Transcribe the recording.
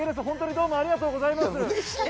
本当にどうもありがとうございます。